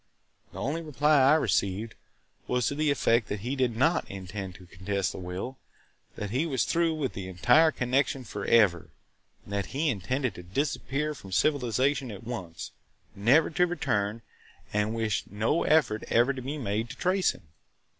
The only reply I received was to the effect that he did not intend to contest the will, that he was through with the entire connection forever, that he intended to disappear from civilization at once, never to return and wished no effort ever to be made to trace him.